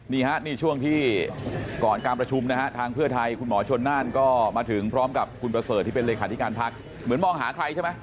นี่ฮะนี่ช่วงที่ก่อนการประชุมนะฮะทางเพื่อไทยคุณหมอชนน่านก็มาถึงพร้อมกับคุณประเสริฐที่เป็นเลขาธิการพักเหมือนมองหาใครใช่ไหม